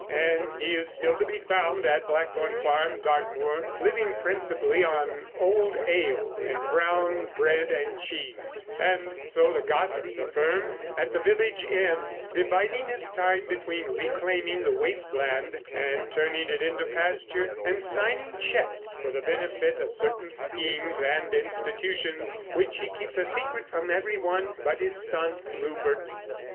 And he is still to be found at Blackthorn Farm, Dartmoor, living principally on old ale and brown bread and cheese, and—so the gossips affirm at the village inn—dividing his time between reclaiming the waste land and turning it into pasture, and signing cheques for the benefit of certain schemes and institutions, which he keeps a secret from everyone but his son Rupert.